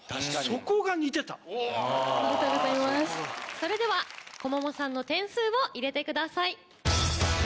それでは Ｋｏｍｏｍｏ さんの点数を入れてください。